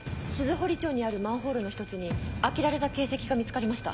堀町にあるマンホールの一つに開けられた形跡が見つかりました。